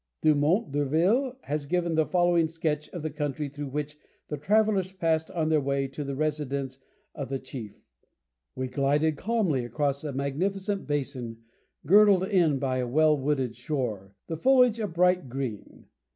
Dumont d'Urville has given the following sketch of the country through which the travellers passed on their way to the residence of the chief. "We glided calmly across a magnificent basin girdled in by a well wooded shore, the foliage a bright green.